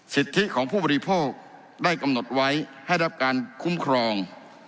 สิทธิของผู้บริโภคได้กำหนดไว้ให้รับการคุ้มครอง